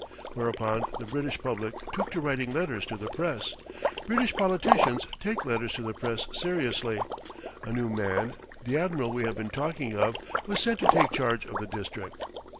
Whereupon the British public took to writing letters to the press. British politicians take letters to the press seriously; a new man, the admiral we have been talking of, was sent to take charge of the district.